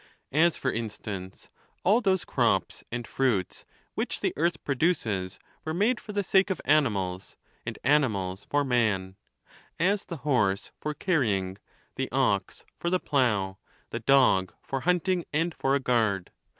As, for instance, all those crops and fruits which the earth produces were made for the sake of ani mals, and animals for man ; as, the horse for carrying, the ox for the plough, the dog for hunting and for a guard.